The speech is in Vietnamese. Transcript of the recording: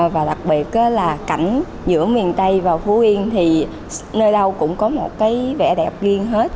và đặc biệt là cảnh giữa miền tây và phú yên thì nơi đâu cũng có một cái vẻ đẹp riêng hết